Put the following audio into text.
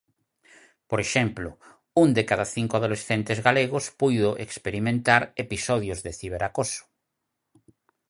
Por exemplo, un de cada cinco adolescentes galegos puido experimentar episodios de ciberacoso.